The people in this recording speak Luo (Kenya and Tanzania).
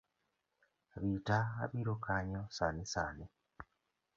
Rita abiro kanyo sani sani